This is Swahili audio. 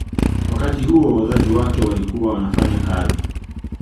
Wakati huo wazazi wake walikuwa wanafanya kazi